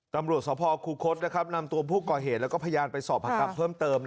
ตำรวจสภคูคศนำตัวผู้ก่อเหตุและพยานไปสอบผักกับเพิ่มเติม